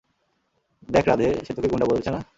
দেখ রাধে, সে তোকে গুন্ডা বলেছে না?